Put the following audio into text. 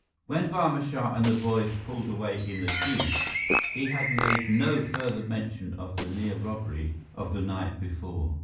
When Barma Shah and the boys pulled away in the jeep, he had made no further mention of the near robbery of the night before.